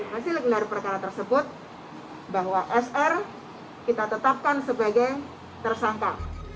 hasil gelar perkara tersebut bahwa sr kita tetapkan sebagai tersangka